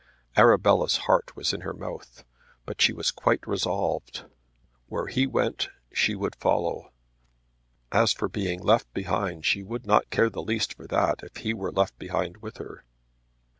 Arabella's heart was in her mouth, but she was quite resolved. Where he went she would follow. As for being left behind she would not care the least for that if he were left behind with her.